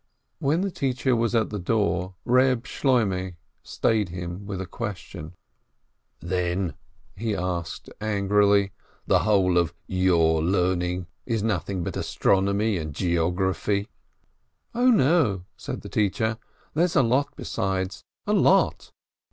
When the teacher was at the door, Reb Shloimeh stayed him with a question. EEB SHLOIMEH 325 "Then," he asked angrily, "the whole of 'your' learn ing is nothing but astronomy and geography ?" "Oh, no!" said the teacher, "there's a lot besides — a lot!"